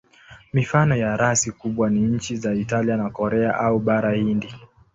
Mifano ya rasi kubwa ni nchi za Italia na Korea au Bara Hindi.